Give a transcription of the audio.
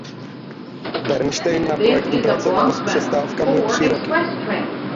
Bernstein na projektu pracoval s přestávkami tři roky.